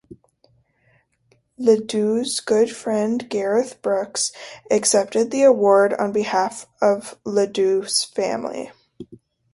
LeDoux's good friend Garth Brooks accepted the award on behalf of LeDoux's family.